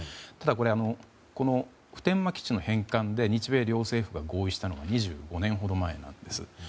ただ、この普天間基地の返還で日米両政府が合意したのは２５年ほど前なんです。